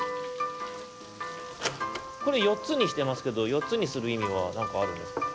これ４つにしてますけど４つにするいみはなんかあるんですか？